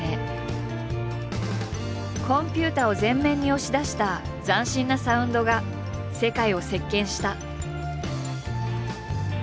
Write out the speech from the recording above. コンピュータを前面に押し出した斬新なサウンドが世界を席巻した。